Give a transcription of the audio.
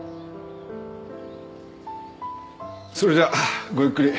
それじゃあごゆっくり。